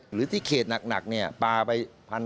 หรือที่เขตหนักปลาไป๑๕๐๐๒๐๐๐